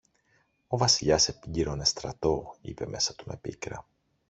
Ο Βασιλιάς επλήρωνε στρατό είπε μέσα του με πίκρα